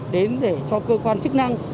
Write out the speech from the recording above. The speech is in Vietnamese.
đến để cho cơ quan chức năng